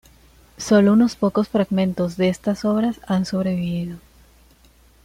Sólo unos pocos fragmentos de estas obras han sobrevivido.